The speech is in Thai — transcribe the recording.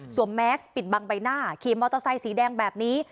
สวมแม็กซ์ปิดบังใบหน้าคีย์มอเตอร์ไซค์สีแดงแบบนี้